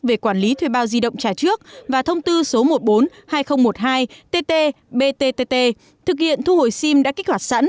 về quản lý thuê bao di động trả trước và thông tư số một mươi bốn hai nghìn một mươi hai tt btt thực hiện thu hồi sim đã kích hoạt sẵn